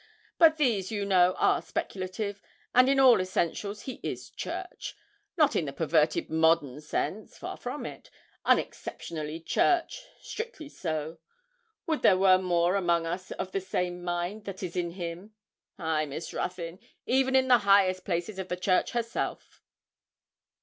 But these, you know, are speculative, and in all essentials he is Church not in the perverted modern sense; far from it unexceptionably Church, strictly so. Would there were more among us of the same mind that is in him! Ay, Miss Ruthyn, even in the highest places of the Church herself.'